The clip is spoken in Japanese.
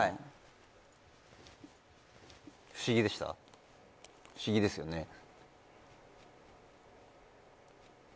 不思議ですよね